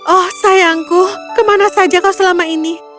oh sayangku kemana saja kau selama ini